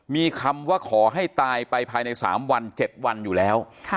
มีคำว่าขอให้ตายไปภายใน๓วัน๗วันอยู่แล้ว